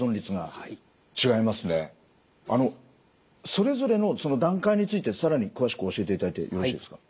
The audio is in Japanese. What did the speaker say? それぞれの段階について更に詳しく教えていただいてよろしいですか？